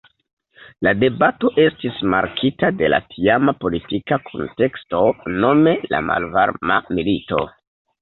La debato estis markita de la tiama politika kunteksto, nome la Malvarma Milito.